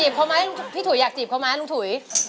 พี่ถุยอยากจีบเขามานุ้งถุย